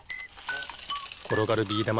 ころがるビーだま